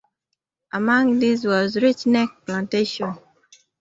Among these was Rich Neck Plantation.